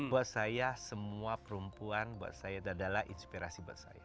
buat saya semua perempuan buat saya adalah inspirasi buat saya